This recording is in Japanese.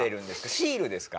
シールですか？